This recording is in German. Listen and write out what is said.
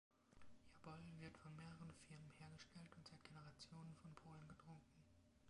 Jabol wird von mehreren Firmen hergestellt und seit Generationen von Polen getrunken.